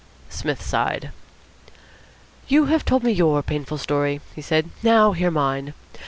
Psmith sighed. "You have told me your painful story," he said. "Now hear mine.